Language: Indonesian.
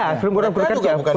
sebelumnya orang golkar juga